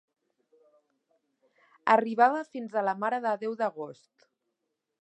Arribava fins a la Mare de Déu d'agost.